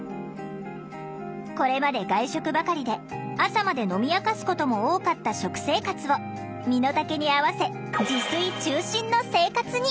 これまで外食ばかりで朝まで飲み明かすことも多かった食生活を身の丈に合わせ自炊中心の生活に！